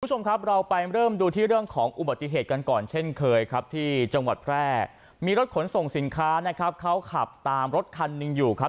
คุณผู้ชมครับเราไปเริ่มดูที่เรื่องของอุบัติเหตุกันก่อนเช่นเคยครับที่จังหวัดแพร่มีรถขนส่งสินค้านะครับเขาขับตามรถคันหนึ่งอยู่ครับ